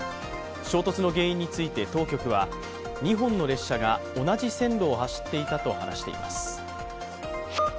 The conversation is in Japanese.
衝突の原因について当局は２本の列車が同じ線路を走っていたと話しています。